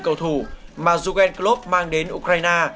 cầu thủ mà jugendklub mang đến ukraine